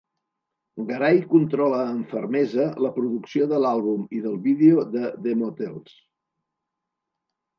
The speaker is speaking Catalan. Garay controla amb fermesa la producció de l'àlbum i del vídeo de The Motels.